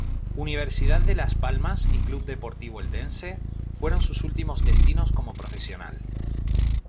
Universidad de Las Palmas y Club Deportivo Eldense fueron sus últimos destinos como profesional.